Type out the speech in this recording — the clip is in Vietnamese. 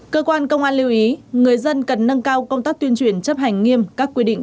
cơ quan công an lưu ý người dân cần nâng cao công tác tuyên truyền chấp hành nghiêm các quy định